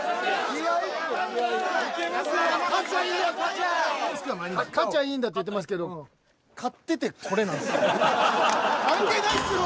気合い勝ちゃいいんだって言ってますけど勝っててこれなんですよ関係ないっすよ！